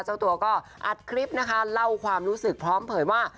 เจ้าตัวก็อัดคลิปนะคะเล่าความรู้สึกพร้อมเผยว่า